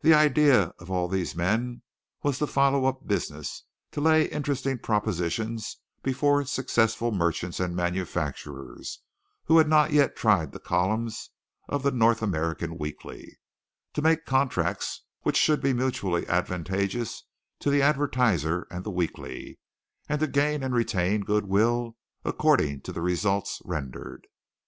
The idea of all these men was to follow up business, to lay interesting propositions before successful merchants and manufacturers who had not yet tried the columns of the North American Weekly, to make contracts which should be mutually advantageous to the advertiser and the Weekly, and to gain and retain good will according to the results rendered.